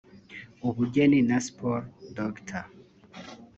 Ubugeni na Siporo Dr